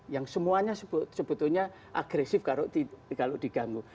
yang semuanya sebetulnya agresif kalau diganggu